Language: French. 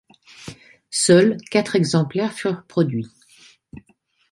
Seuls quatre exemplaires furent produits.